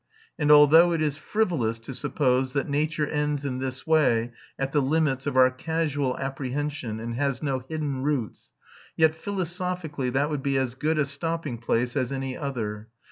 And although it is frivolous to suppose that nature ends in this way at the limits of our casual apprehension, and has no hidden roots, yet philosophically that would be as good a stopping place as any other.